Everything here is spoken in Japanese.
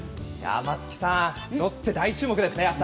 松木さんロッテ、大注目ですね。